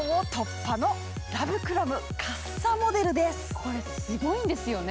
これ、すごいんですよね。